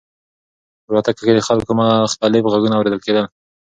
په الوتکه کې د خلکو مختلف غږونه اورېدل کېدل.